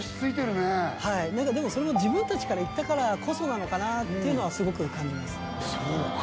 はいでもそれも自分たちからいったからこそなのかなっていうのはすごく感じますそうか